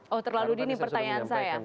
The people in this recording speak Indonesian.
oh terlalu dini pertanyaan saya